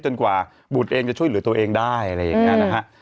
กว่าบุตรเองจะช่วยเหลือตัวเองได้อะไรอย่างนี้นะฮะ